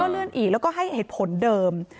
แล้วก็ให้เหตุผลเดิม